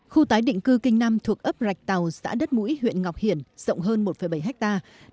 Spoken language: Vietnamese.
khu tái định cư kinh nam thuộc ấp rạch tàu xã đất mũi huyện ngọc hiển rộng hơn một bảy hectare